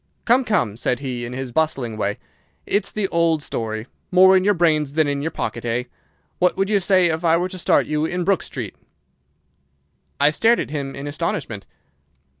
"'Come, come!' said he, in his bustling way. 'It's the old story. More in your brains than in your pocket, eh? What would you say if I were to start you in Brook Street?' "I stared at him in astonishment.